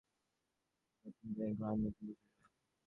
সে রোদে নতুন দিনের ঘ্রাণ, নতুন বছরের গান।